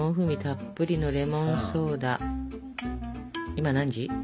今何時？